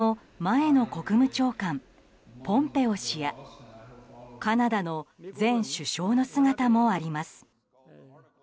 中にはアメリカの前の国務長官ポンペオ氏やカナダの前首相の姿もあります。